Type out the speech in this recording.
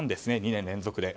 ２年連続で。